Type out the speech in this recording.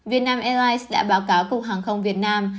việt nam airlines đã báo cáo cục hàng không việt nam